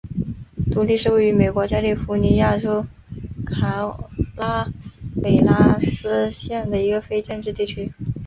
独立是位于美国加利福尼亚州卡拉韦拉斯县的一个非建制地区。